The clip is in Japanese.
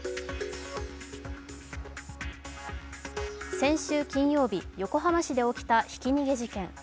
先週金曜日、横浜市で起きたひき逃げ事件。